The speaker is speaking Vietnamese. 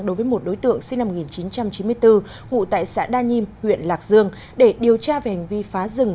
đối với một đối tượng sinh năm một nghìn chín trăm chín mươi bốn ngụ tại xã đa nhiêm huyện lạc dương để điều tra về hành vi phá rừng